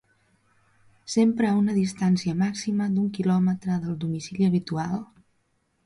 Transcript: Sempre a una distància màxima d’un quilòmetre del domicili habitual.